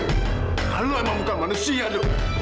kamila emang bukan manusia dok